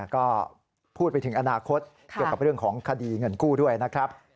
ก็พูดไปถึงอนาคตเกี่ยวกับเรื่องของคดีเงินกู้ด้วยนะครับ